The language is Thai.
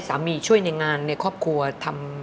ช่วยในงานในครอบครัวทำ